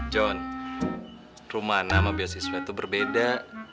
jon rumah nama biaya siswa itu berbeda